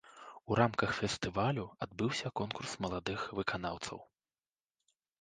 У рамках фестывалю адбыўся конкурс маладых выканаўцаў.